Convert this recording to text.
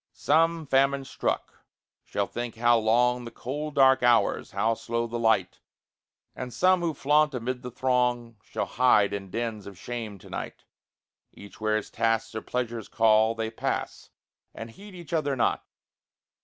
Some, famine struck, shall think how long The cold dark hours, how slow the light; And some who flaunt amid the throng Shall hide in dens of shame to night. Each where his tasks or pleasures call, They pass, and heed each other not.